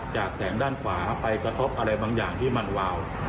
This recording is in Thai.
จากแสงด้านขวาไปกระทบอะไรบางอย่างที่มันวาว